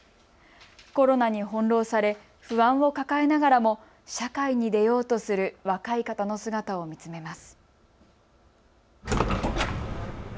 コロナに翻弄され不安を抱えながらも社会に出ようとする若い方の姿を見つめます。